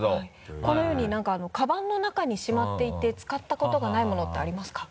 このように何かカバンの中にしまっていて使ったことがないものってありますか？